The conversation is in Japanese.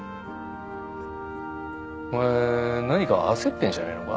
お前何か焦ってるんじゃねえのか？